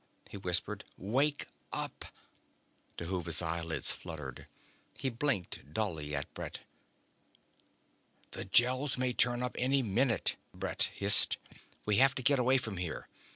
he whispered. "Wake up!" Dhuva's eyelids fluttered. He blinked dully at Brett. "The Gels may turn up any minute," Brett hissed. "We have to get away from here.